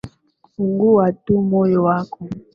Fungua tu moyo wako